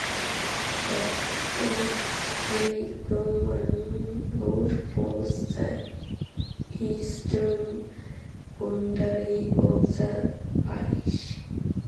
The Fosse Way Roman road forms the eastern boundary of the parish.